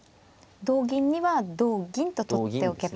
同銀には同銀と取っておけば。